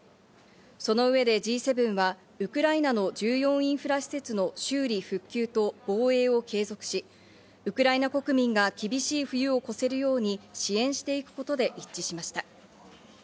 その上でＧ７はウクライナの重要インフラ施設の修理・復旧と防衛を継続し、ウクライナ国民が厳しい冬を越せるように支援していくことで一致しました。